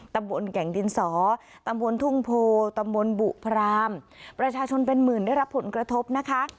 ตำบลแก่งดินสอตำบลทุ่งโพตำบลบุพรามประชาชนเป็นหมื่นได้รับผลกระทบนะคะ